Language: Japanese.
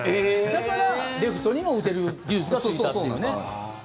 だから、レフトにも打てる技術がついたっていうね。